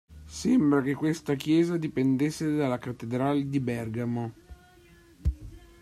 Sembra che questa chiesa dipendesse dalla cattedrale di Bergamo.